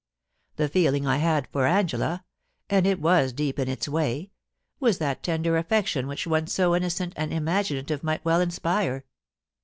The feeling I had for Angela — and it was deep in its way — was that tender affection which one so innocent and imaginative might well inspire.